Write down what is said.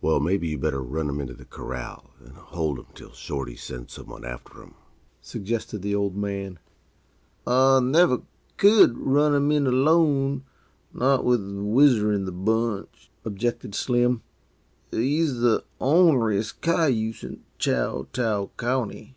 "Well, maybe you better run 'em into the corral and hold 'em till Shorty sends some one after 'em," suggested the Old Man. "I never c'd run 'em in alone, not with Whizzer in the bunch," objected Slim. "He's the orneriest cayuse in Chouteau County."